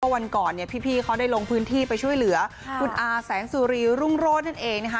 วันก่อนเนี่ยพี่เขาได้ลงพื้นที่ไปช่วยเหลือคุณอาแสงสุรีรุ่งโรธนั่นเองนะคะ